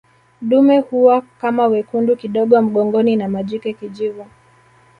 Dume huwa kama wekundu kidogo mgongoni na majike kijivu